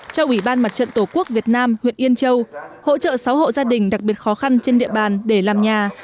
cho ủy ban mặt trận tổ quốc việt nam huyện yên châu hỗ trợ sáu hộ gia đình đặc biệt khó khăn trên địa bàn để làm nhà